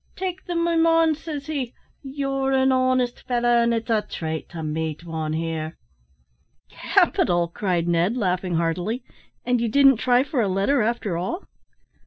"`Take them, my man,' says he; `you're an honest fellow, and it's a trate to meet wan here.'" "Capital," cried Ned, laughing heartily; "and you didn't try for a letter after all?"